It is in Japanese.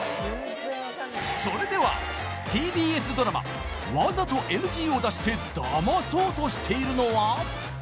それではＴＢＳドラマわざとＮＧを出してダマそうとしているのは？